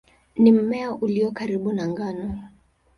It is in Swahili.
Ni mmea ulio karibu na ngano.